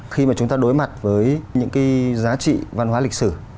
khi mà chúng ta đối mặt với những cái giá trị văn hóa lịch sử